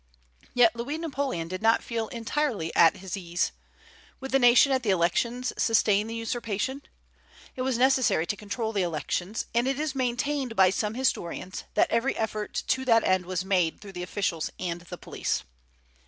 Yet Louis Napoleon did not feel entirely at his ease. Would the nation at the elections sustain the usurpation? It was necessary to control the elections; and it is maintained by some historians that every effort to that end was made through the officials and the police.